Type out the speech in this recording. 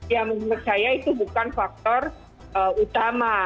ya menurut saya itu bukan faktor utama